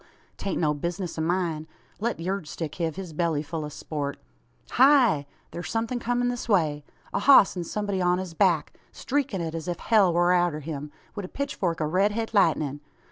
'Tain't no bizness o' myen. Let yurd stick hev his belly ful o' sport. Heigh! thur's somethin' comin' this way. A hoss an somebody on his back streakin' it as if hell war arter him, wi' a pitchfork o' red het lightnin'!